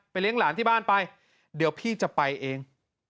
เลี้ยงหลานที่บ้านไปเดี๋ยวพี่จะไปเอง